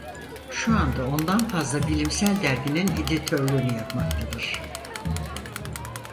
Şu anda on dan fazla bilimsel derginin editörlüğünü yapmaktadır.